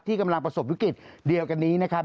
กำลังประสบวิกฤตเดียวกันนี้นะครับ